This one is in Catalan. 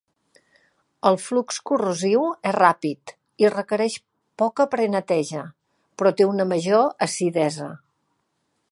El flux corrosiu és ràpid i requereix poca pre-neteja, però té una major acidesa.